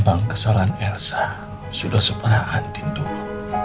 memang kesalahan elsa sudah sepanah antin dulu